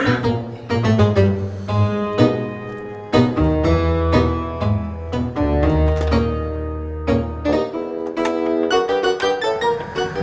kamu tekan di sini di sana